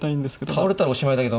倒れたらおしまいだけど。